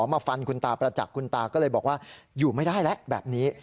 มาฟันคุณตาประจักษ์คุณตาก็เลยบอกว่าอยู่ไม่ได้แล้วแบบนี้